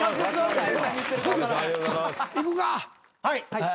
はい。